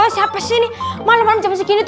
siapa sih ini malam malam jam segini